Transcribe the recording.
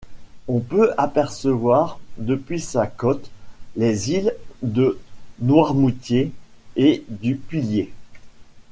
On peut apercevoir, depuis sa côte, les îles de Noirmoutier et du Pilier.